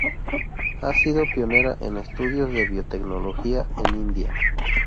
Ha sido pionera en estudios de biotecnología en India.